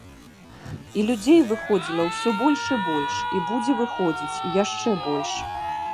І людзей выходзіла ўсё больш і больш, і будзе выходзіць яшчэ больш.